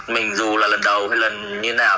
mình dù là lần đầu hay là như nào